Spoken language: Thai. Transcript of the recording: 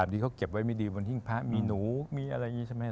ที่เขาเก็บไว้ไม่ดีบนหิ้งพระมีหนูมีอะไรอย่างนี้ใช่ไหม